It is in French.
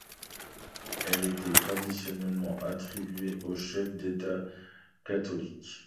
Elle était traditionnellement attribuée aux chefs d'État catholiques.